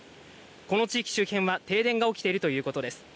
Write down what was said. この地域周辺は停電が起きているということです。